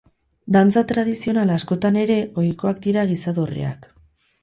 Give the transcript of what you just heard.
Dantza tradizional askotan ere ohikoak dira giza dorreak.